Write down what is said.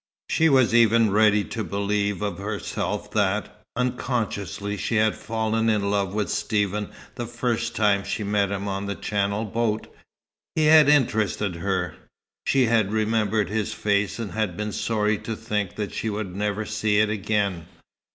She was even ready to believe of herself that, unconsciously, she had fallen in love with Stephen the first time she met him on the Channel boat. He had interested her. She had remembered his face, and had been sorry to think that she would never see it again.